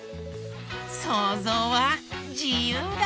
そうぞうはじゆうだ！